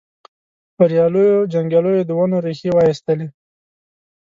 بریالیو جنګیالیو د ونو ریښې وایستلې.